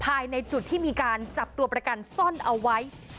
ภายในจุดที่มีการจับตัวประกันซ่อนเอาไว้